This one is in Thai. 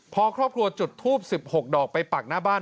พอครอบครัวจุดทูบ๑๖ดอกไปปักหน้าบ้าน